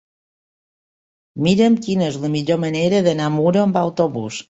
Mira'm quina és la millor manera d'anar a Muro amb autobús.